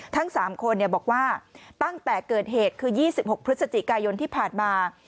ทั้ง๓คนบอกว่าตั้งแต่เกิดเหตุคือ๒๖พฤศจิกายนที่ผ่านมา